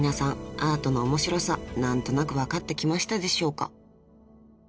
アートの面白さ何となく分かってきましたでしょうか？］